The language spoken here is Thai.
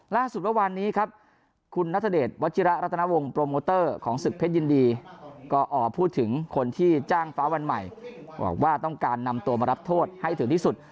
ล่าสุดเมื่อวานนี้ครับคุณนัทเดชวัชิระรัตนวงโปรโมเตอร์ของศึกเพชรยินดีก็ออกพูดถึงคนที่จ้างฟ้าวันใหม่บอกว่าต้องการนำตัวมารับโทษให้ถึงที่สุด